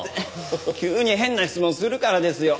急に変な質問するからですよ。